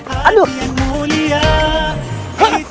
ailem aku mau ikut inip